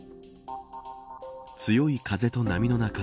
強い風と波の中